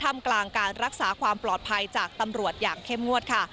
มกลางการรักษาความปลอดภัยจากตำรวจอย่างเข้มงวดค่ะ